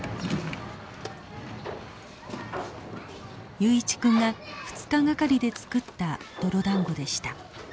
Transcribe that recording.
雄一君が２日がかりで作った泥だんごでした。